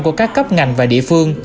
của các cấp ngành và địa phương